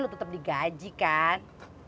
lu tetap digaji kan